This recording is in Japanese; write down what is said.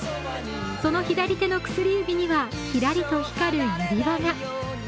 その左手の薬指には、キラリと光る指輪が。